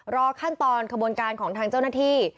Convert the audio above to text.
รอขั้นตอนขบวนการของทางเจ้าหน้าที่